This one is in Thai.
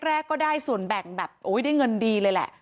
แรกก็ได้ส่วนแบ่งแบบโอ้ยได้เงินดีเลยแหละ